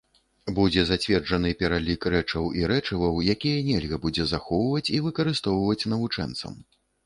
Будзе зацверджаны пералік рэчаў і рэчываў, якія нельга будзе захоўваць і выкарыстоўваць навучэнцам.